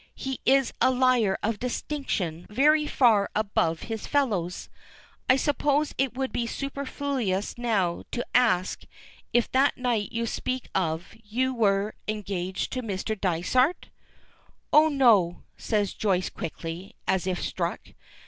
He is a liar of distinction very far above his fellows! I suppose it would be superfluous now to ask if that night you speak of you were engaged to Mr. Dysart?" "Oh, no," says Joyce quickly, as if struck.